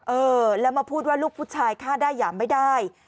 เออแล้วมาพูดว่าลูกผู้ชายฆ่าได้หยามไม่ได้